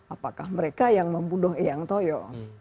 apakah mereka yang membunuh eyang toyo